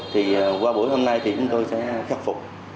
thì qua buổi hôm nay thì chúng tôi sẽ khắc phục